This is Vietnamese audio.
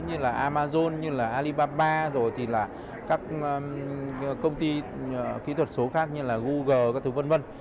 như là amazon như là alibaba rồi thì là các công ty kỹ thuật số khác như là google các thứ v v